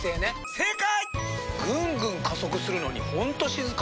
正解！